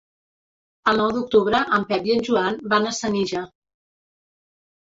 El nou d'octubre en Pep i en Joan van a Senija.